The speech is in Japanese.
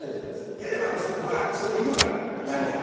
いやでもやっぱそこにいるから何人か。